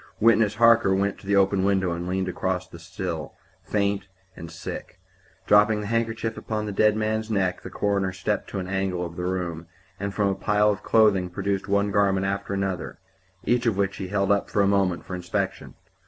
Witness Harker went to the open window and leaned out across the sill, faint and sick. Dropping the handkerchief upon the dead man's neck, the coroner stepped to an angle of the room, and from a pile of clothing produced one garment after another, each of which he held up a moment for inspection.